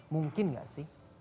mungkin gak sih